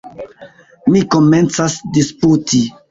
Ni komencas disputi.